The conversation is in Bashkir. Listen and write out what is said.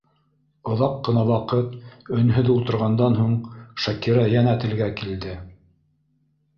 Оҙаҡ ҡына ваҡыт өнһөҙ ултырғандан һуң, Шакира йәнә телгә килде: